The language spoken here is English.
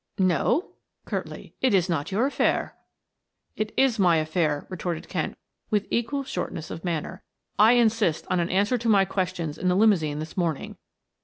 "No," curtly. "It is not your affair." "It is my affair," retorted Kent with equally shortness of manner. "I insist on an answer to my questions in the limousine this morning.